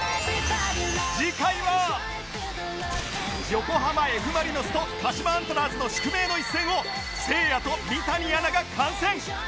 横浜 Ｆ ・マリノスと鹿島アントラーズの宿命の一戦をせいやと三谷アナが観戦！